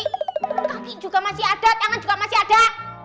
kaki juga masih ada tangan juga masih ada